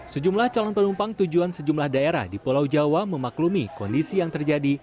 sejumlah calon penumpang tujuan sejumlah daerah di pulau jawa memaklumi kondisi yang terjadi